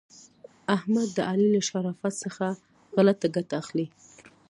احمد د علي له شرافت څخه غلته ګټه اخلي.